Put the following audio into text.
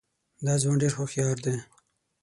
دا ځوان ډېر هوښیار دی.